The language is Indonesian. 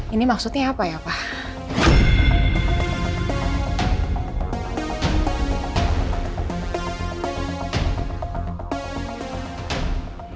ini maksudnya apa ya pak